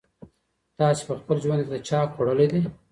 تاسي په خپل ژوند کي د چا حق خوړلی دی؟